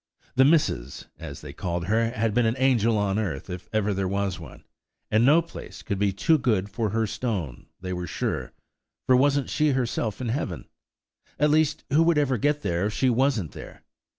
"The Mrs.," as they called her, had been an angel on earth, if ever there was one, and no place could be too good for her stone, they were sure, for wasn't she herself in heaven?–at least, who would ever get there if she wasn't there?